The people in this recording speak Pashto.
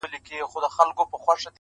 اوښ په خپلو بولو کي گوډېږي.